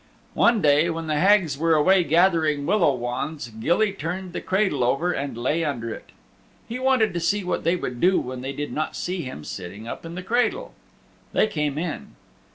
One day when the Hags were away gathering willow wands, Gilly turned the cradle over and lay under it. He wanted to see what they would do when they did not see him sitting up in the cradle. They came in.